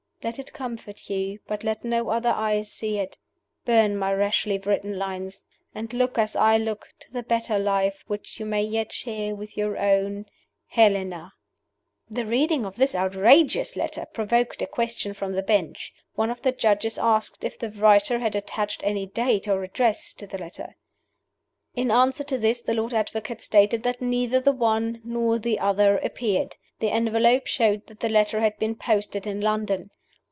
Let it comfort you, but let no other eyes see it. Burn my rashly written lines, and look (as I look) to the better life which you may yet share with your own "HELENA." The reading of this outrageous letter provoked a question from the Bench. One of the Judges asked if the writer had attached any date or address to her letter. In answer to this the Lord Advocate stated that neither the one nor the other appeared. The envelope showed that the letter had been posted in London.